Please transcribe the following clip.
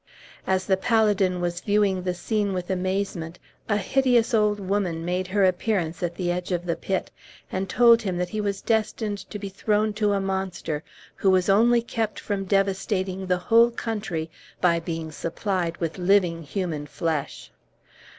As the paladin was viewing the scene with amazement a hideous old woman made her appearance at the edge of the pit, and told him that he was destined to be thrown to a monster, who was only kept from devastating the whole country by being supplied with living human flesh.